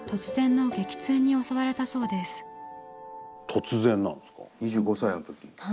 突然なんですか？